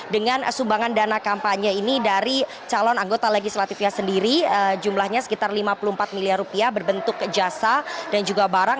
dengan sumbangan dana kampanye ini dari calon anggota legislatifnya sendiri jumlahnya sekitar lima puluh empat miliar rupiah berbentuk jasa dan juga barang